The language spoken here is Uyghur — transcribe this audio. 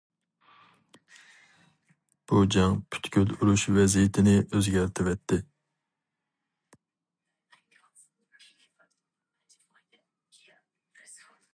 بۇ جەڭ پۈتكۈل ئۇرۇش ۋەزىيىتىنى ئۆزگەرتىۋەتتى.